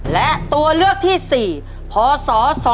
และตัวเลือกที่๔พศ๒๕๖